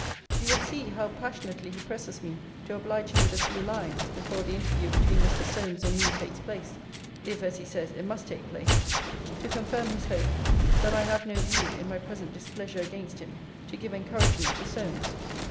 You will see, 'how passionately he presses me to oblige him with a few lines, before the interview between Mr. Solmes and me takes place, (if, as he says, it must take place,) to confirm his hope, that I have no view, in my present displeasure against him, to give encouragement to Solmes.